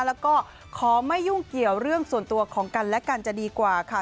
แล้วก็ขอไม่ยุ่งเกี่ยวเรื่องส่วนตัวของกันและกันจะดีกว่าค่ะ